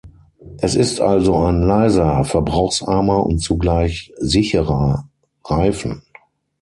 Es ist also ein leiser, verbrauchsarmer und zugleich sicherer Reifen.